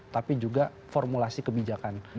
tapi juga formulasi kebijakan